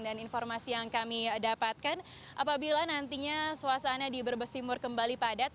dan informasi yang kami dapatkan apabila nantinya suasana di berbes timur kembali padat